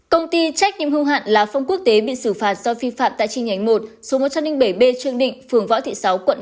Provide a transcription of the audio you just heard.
công ty trách nhiệm hưu hạn là phong quốc tế bị xử phạt do vi phạm tại chi nhánh một số một trăm linh bảy b trương định phường võ thị sáu quận tám